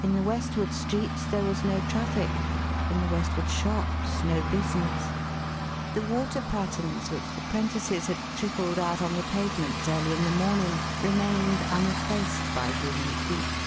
In the Westward streets there was no traffic; in the Westward shops, no business. The water patterns which the 'Prentices had trickled out on the pavements early in the morning, remained uneffaced by human feet.